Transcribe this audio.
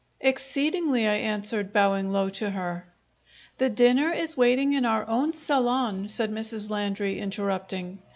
"Exceedingly!" I answered, bowing low to her. "The dinner is waiting in our own salon," said Mrs. Landry, interrupting.